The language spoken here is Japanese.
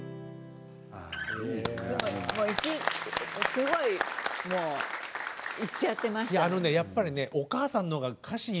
すごいもういっちゃってました。